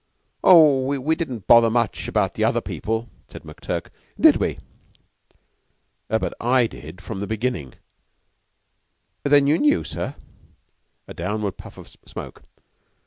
"Oh, we didn't bother much about the other people," said McTurk. "Did we?" "But I did from the beginning." "Then you knew, sir?" A downward puff of smoke.